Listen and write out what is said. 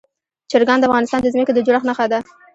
چرګان د افغانستان د ځمکې د جوړښت نښه ده.